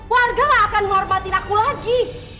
warga akan menghormatin aku lagi